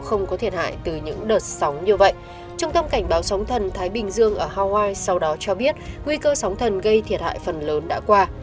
trong thông cảnh báo sóng thần thái bình dương ở hawaii sau đó cho biết nguy cơ sóng thần gây thiệt hại phần lớn đã qua